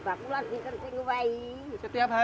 semangat busuknya dia banyak